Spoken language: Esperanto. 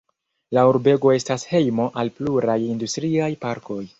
La urbego estas hejmo al pluraj industriaj parkoj.